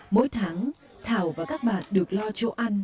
mỗi tháng thảo và các bạn được làm những công việc